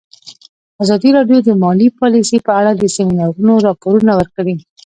ازادي راډیو د مالي پالیسي په اړه د سیمینارونو راپورونه ورکړي.